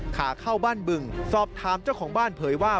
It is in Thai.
ขาเข้าบ้านบึงสอบถามเจ้าของบ้านเผยว่า